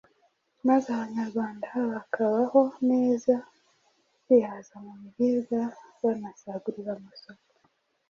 maze Abanyarwanda bakabaho neza, bihaza mu biribwa banasagurira amasoko.